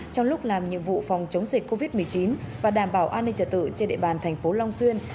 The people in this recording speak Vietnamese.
trong lúc làm nhiệm vụ phòng chống dịch covid một mươi chín và đảm bảo an ninh trả tự trên địa bàn thành phố long xuyên